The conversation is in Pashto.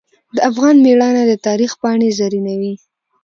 د افغان میړانه د تاریخ پاڼې زرینوي.